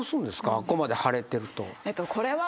あっこまで腫れてると。